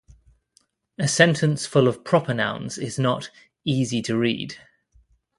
A sentence full of proper nouns is not "easy to read."